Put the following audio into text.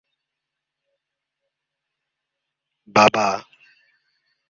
স্টেডিয়ামের উত্তরপূর্ব কোনে প্যাভিলিয়ন রয়েছে।